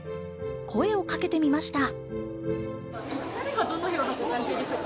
声をかけてみました。